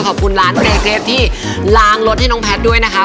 ขอบคุณร้านเรเกรฟที่ล้างรถให้น้องแพทย์ด้วยนะคะ